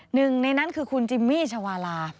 หนึ่งในนั้นคือคุณจิมมี่ชาวาลา